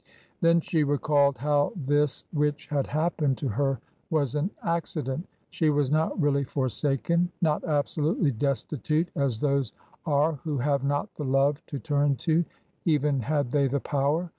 Then she recalled how this which had happened to her was an accident ; she was not really forsaken — not absolutely destitute as those are who have not the love to turn to, even had they the power.